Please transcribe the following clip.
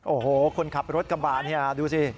โอ้โหคนขับรถกระบะนี่ดูสิ